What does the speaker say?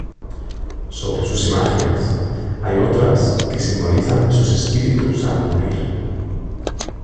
Sobre sus imágenes hay otras que simbolizan sus espíritus al morir.